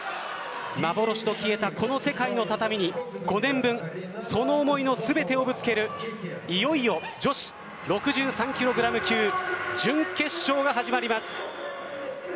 幻と決めたこの世界の畳に５年分その思いの全てをぶつけるいよいよ女子６３ｋｇ級準決勝が始まります。